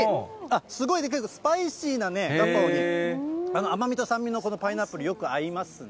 すごい、けどスパイシーなガパオに、甘みと酸味のこのパイナップル、よく合いますね。